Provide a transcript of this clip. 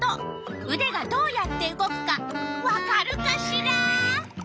うでがどうやって動くかわかるかしら？